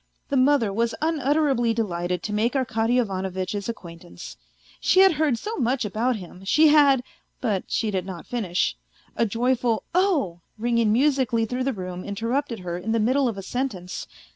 ... The mother was unutterably delighted to make Arkady Ivanovitch's acquaintance, " she had heard so much about him, she had ..." But she did not finish. A joyful " Oh !" ringing musically through the room interrupted her in the middle of a sentence.